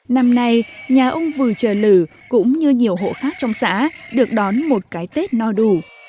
năm nay nhà ông vừa chờ lử cũng như nhiều hộ khác trong xã được đón một cái tết no đủ